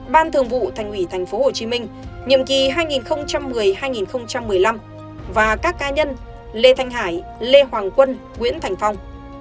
ban thường vụ thành ủy tp hcm nhiệm kỳ hai nghìn một mươi hai nghìn một mươi năm và các ca nhân lê thanh hải lê hoàng quân nguyễn thành phong